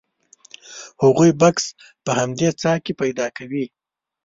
هغوی بکس په همدې څاه کې پیدا کوي.